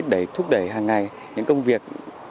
để thúc đẩy hàng ngày những công việc